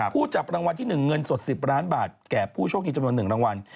ผู้จับรางวัลที่๑เงินสด๑๐ล้านบาทแก่ผู้โชคดีจำนวน๑รางวัล